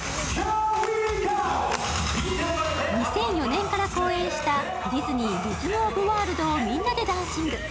２００４年から公演したディズニー・リズム・オブ・ワールドをみんなでダンシング。